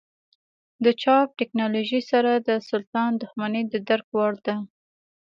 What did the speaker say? د چاپ ټکنالوژۍ سره د سلطان دښمني د درک وړ ده.